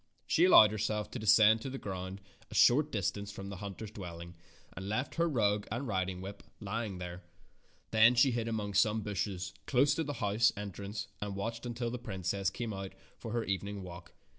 She allowed herself to descend to the ground a short distance from the hunter's dwelling and left her rug and riding whip ly ing there. Then she hid among some bushes close to the house entrance and watched until the princess came out for her evening walk.